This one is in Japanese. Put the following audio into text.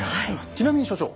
ちなみに所長。